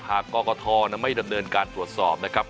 หากกรกธอนั้นไม่ดำเนินการตรวจสอบนะครับ